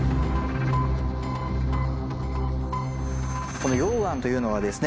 この溶岩というのはですね